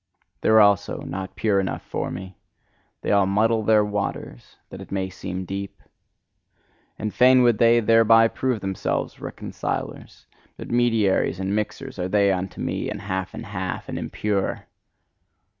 They are also not pure enough for me: they all muddle their water that it may seem deep. And fain would they thereby prove themselves reconcilers: but mediaries and mixers are they unto me, and half and half, and impure!